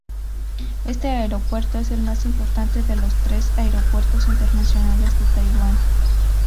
Este aeropuerto es el más importante de los tres aeropuertos internacionales de Taiwán.